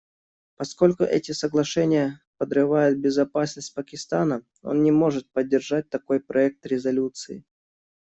Поскольку эти соглашения подрывают безопасность Пакистана, он не может поддержать такой проект резолюции.